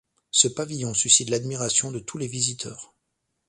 Ce pavillon suscite l'admiration de tous les visiteurs.